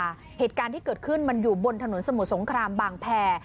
ประเภทการที่เกิดขึ้นมันอยู่บนสมุดสงครามบางแพร่